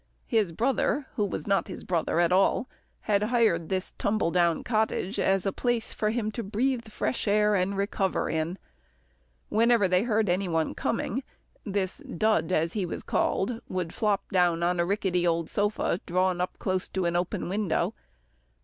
His brother, who was not his brother at all, had hired this tumble down cottage as a place for him to breathe fresh air and recover in. Whenever they heard any one coming this Dud, as he was called, would flop down on a rickety old sofa drawn up close to an open window.